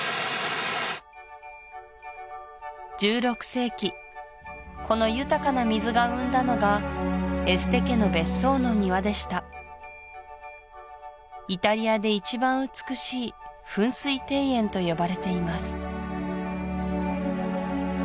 １６世紀この豊かな水が生んだのがエステ家の別荘の庭でしたイタリアで一番美しい噴水庭園と呼ばれています